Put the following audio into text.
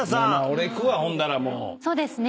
俺いくわほんだらもう。